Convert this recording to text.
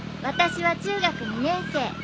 私は中学２年生。